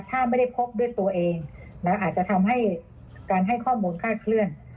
ถ้าไม่ได้พบด้วยตัวเองอาจจะทำให้การให้ข้อมูลคลาดเคลื่อน